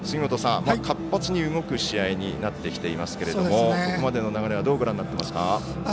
活発に動く試合になってきますけれどもここまでの流れはどうご覧になっていますか？